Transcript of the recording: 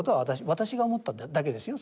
私が思っただけですよ